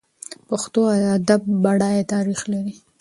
پښتو ادب بډایه تاریخ لري.